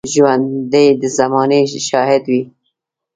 ژوندي د زمانې شاهد وي